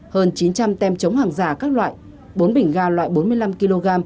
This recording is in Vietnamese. hơn chín trăm linh tem chống hàng giả các loại bốn bình ga loại bốn mươi năm kg